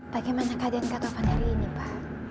bagaimana keadaan ketapan hari ini pak